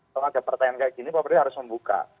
kalau ada pertanyaan kayak gini pemerintah harus membuka